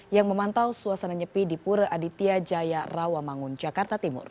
yang memantau suasana nyepi di pura aditya jaya rawamangun jakarta timur